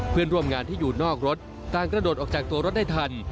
เพื่อนร่วมงานที่อยู่นอกรถต่างกระโดดออกจากตัวรถได้ทัน